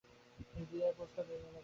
বিয়ের প্রস্তাব এই এলো বলে।